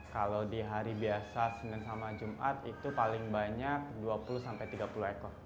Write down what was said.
kalau di hari biasa senin sama jumat itu paling banyak dua puluh tiga puluh ekor